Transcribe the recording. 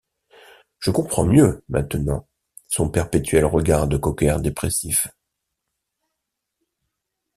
Je comprends mieux, maintenant, son perpétuel regard de cocker dépressif.